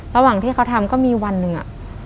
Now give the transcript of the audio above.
ระหว่างที่เขาทำก็มีวันหนึ่งอะ